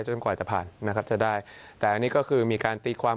กว่าจะผ่านนะครับจะได้แต่อันนี้ก็คือมีการตีความ